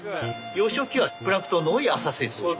幼少期はプランクトンの多い浅瀬に。